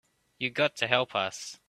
You got to help us.